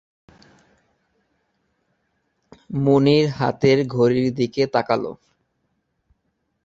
মুনির হাতের ঘড়ির দিকে তাকাল।